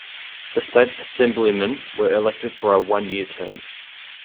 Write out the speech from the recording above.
The State Assemblymen were elected for a one-year term.